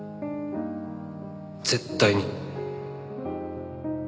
絶対に。